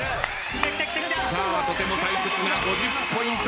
とても大切な５０ポイント